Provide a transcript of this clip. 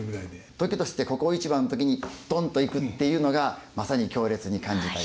時としてここ一番の時に「トン」っていくっていうのがまさに強烈に感じたり。